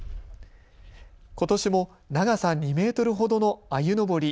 ことしも長さ２メートルほどのあゆのぼり